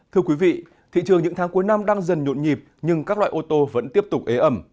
thưa quý vị thị trường những tháng cuối năm đang dần nhộn nhịp nhưng các loại ô tô vẫn tiếp tục ế ẩm